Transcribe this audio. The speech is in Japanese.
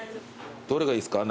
どれがいいですか？